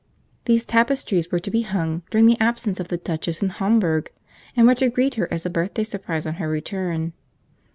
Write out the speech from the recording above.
These tapestries were to be hung during the absence of the duchess in Homburg, and were to greet her as a birthday surprise on her return.